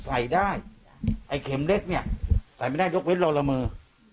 ใส่ได้ไอ้เข็มเล็กเนี่ยใส่ไม่ได้ยกเว้นเราละเมอ